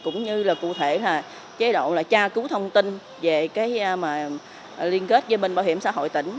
cũng như là cụ thể chế độ tra cứu thông tin về liên kết giới minh bảo hiểm xã hội tỉnh